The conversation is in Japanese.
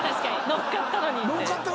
乗っかったのにって。